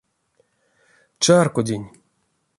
Чарькодинь.